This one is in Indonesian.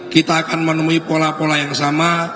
kita akan menemui pola pola yang sama